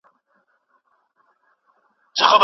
بریالیو کسانو خپلي ټولي موخي یاد داښت کړي دي.